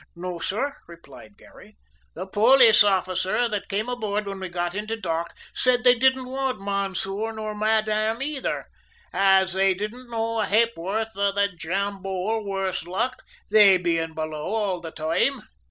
"No, sor," replied Garry. "The polis officers that came aboard whin we got into dock sid they didn't want monsieur nor madame neither, as they didn't know a ha'porth of the jambolle, worse luck, they bein' below all the toime.